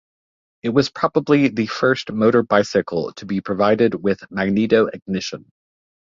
It was probably the first motor bicycle to be provided with magneto ignition.